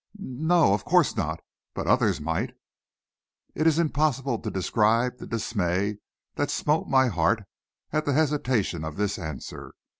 "N no, of course not. But others might." It is impossible to describe the dismay that smote my heart at the hesitation of this answer.